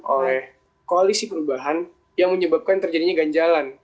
oleh koalisi perubahan yang menyebabkan terjadinya ganjalan